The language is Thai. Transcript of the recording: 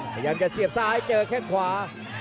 พยายามจะเสียบซ้ายเจอแข้งขวา